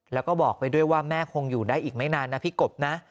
แล้วก็บอกไปด้วยว่าแม่คงอยู่ได้อีกไม่นานนะพี่กบนะ